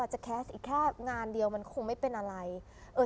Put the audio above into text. จะแคสต์อีกแค่งานเดียวมันคงไม่เป็นอะไรเออ